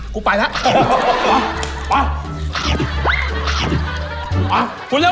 กูไปแล้ว